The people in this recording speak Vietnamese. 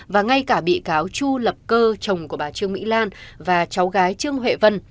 và ngay cả bị cáo chu lập cơ chồng của bà trương mỹ lan và cháu gái trương huệ vân